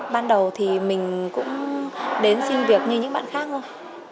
ban đầu thì mình cũng đến xin việc như những bạn khác thôi